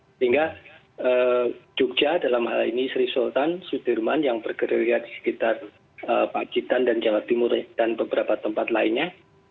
sehingga jogja dalam hal ini sri sultan sudirman yang bergerilya di sekitar pacitan dan jawa timur dan beberapa tempat lainnya